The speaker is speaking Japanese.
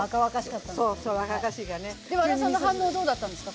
で和田さんの反応どうだったんですか？